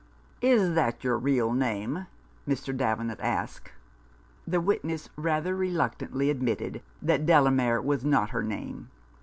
" Is that your real name ?" Mr. Davenant asked. The witness rather reluctantly admitted that Delamere was not her name.